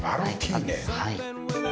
はい。